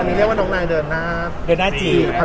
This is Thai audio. อันนี้เรียกว่าน้องนายเดินหน้าจีน